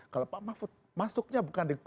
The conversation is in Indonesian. kalau pak mahfud masuknya bukan di